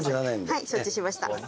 はい承知しました。